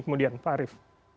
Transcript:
kemudian pak arief